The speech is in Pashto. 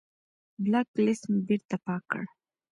بلاک لست مې بېرته پاک کړ.